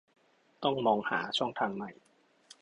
ต้องมองหาช่องทางใหม่